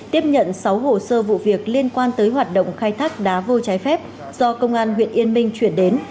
tiếp nhận sáu hồ sơ vụ việc liên quan tới hoạt động khai thác đá vô trái phép do công an huyện yên minh chuyển đến